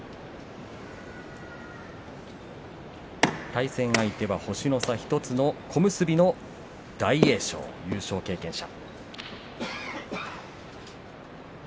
対戦相手は星の差１つの小結の大栄翔、優勝経験者。